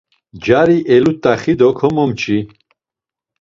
Cari elut̆axi do komomçi.